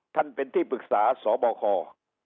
ท่านเป็นที่ปรึกษาสบค